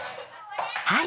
はい！